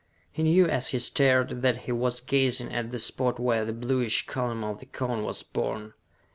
He knew as he stared that he was gazing at the spot where the bluish column of the cone was born!